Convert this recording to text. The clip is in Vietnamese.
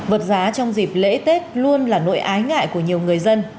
bật giá trong dịp lễ tết luôn là nỗi ái ngại của nhiều người dân